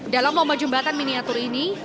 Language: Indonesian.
dalam lomba jembatan miniatur ini